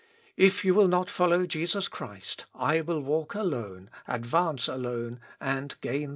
If you will not follow Jesus Christ, I will walk alone, advance alone, and gain the day."